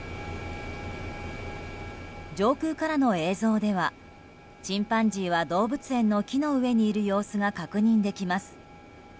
上空からの映像ではチンパンジーは動物園の木の上にいる様子が確認できます。